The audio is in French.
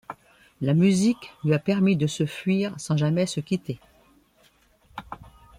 La musique lui a permis de se fuir sans jamais se quitter.